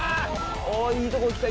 いいところ来た。